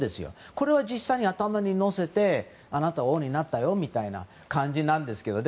これは実際に頭に乗せてあなたが王になったよみたいな感じなんですけどね。